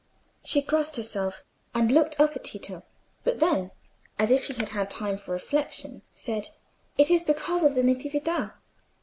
She crossed herself and looked up at Tito, but then, as if she had had time for reflection, said, "It is because of the Nativita."